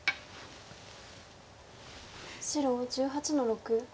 白１８の六。